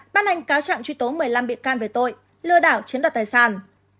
ban hành cáo chạm truy tố một mươi năm bị can về tội lừa đảo chiến đoạt tài sản